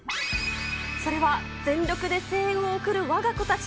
それは全力で声援を送るわが子たち。